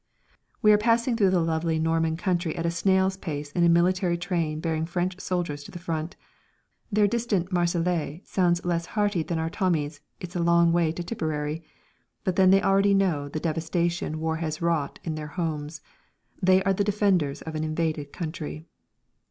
_ We are passing through the lovely Norman country at a snail's pace in a military train bearing French soldiers to the front. Their distant "Marseillaise" sounds less hearty than our Tommies' "It's a long way to Tipperary," but then they already know the devastation War has wrought in their homes; they are the defenders of an invaded country.